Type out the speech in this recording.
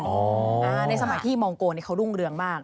เป็นคนจีนในสมัยที่มองโกนเขารุ่งเรืองมาก